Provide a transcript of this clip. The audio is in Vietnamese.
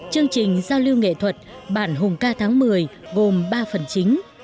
chương trình giao lưu nghệ thuật bản hùng ca tháng một mươi gồm ba phần chính